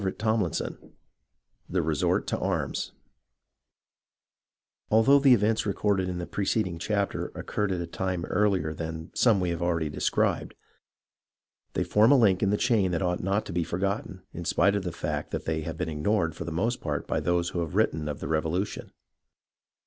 CHAPTER IV THE RESORT TO ARMS Although the events recorded in the preceding chap ter occurred at a time earher than some we have already described, they form a Hnk in the chain that ought not to be forgotten, in spite of the fact that they have been ignored for the most part by those who have written of the Revolution.